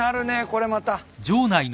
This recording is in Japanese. これまた。